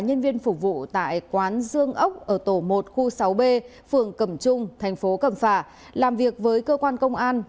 nhân viên phục vụ tại quán dương ốc ở tổ một khu sáu b phường cẩm trung thành phố cẩm phả làm việc với cơ quan công an